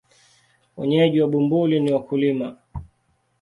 Wenyeji wa Bumbuli ni wakulima.